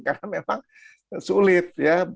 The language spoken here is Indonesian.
karena memang sulit ya